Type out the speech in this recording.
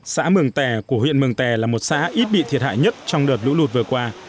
xã mường tè của huyện mường tè là một xã ít bị thiệt hại nhất trong đợt lũ lụt vừa qua